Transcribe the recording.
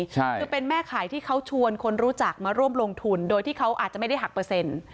คือเป็นแม่ขายที่เขาชวนคนรู้จักมาร่วมลงทุนโดยที่เขาอาจจะไม่ได้หักเปอร์เซ็นต์